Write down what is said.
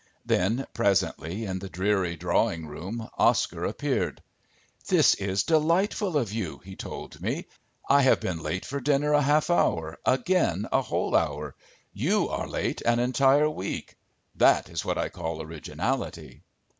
Then, presently, in the dreary drawing room, Oscar appeared. "This is delightful of you," he told me. "I have been late for dinner a half hour, again a whole hour; you are late an entire week. That is what I call originality."